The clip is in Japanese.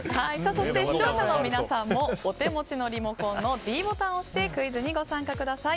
そして視聴者の皆さんもお手持ちのリモコンのｄボタンを押してクイズにご参加ください。